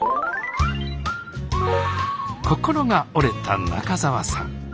心が折れた中澤さん。